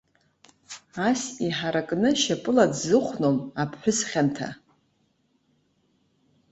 Ас иҳаракны шьапыла дзыхәном аԥҳәыс хьанҭа.